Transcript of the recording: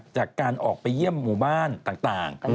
จากการออกไปเยี่ยมหมู่บ้านต่าง